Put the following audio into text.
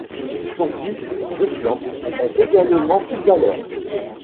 Son fils, Ruslan, est également footballeur.